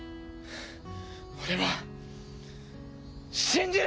俺は信じる！